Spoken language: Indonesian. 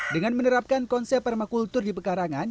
dengan menerapkan konsep permakultur di pekarangan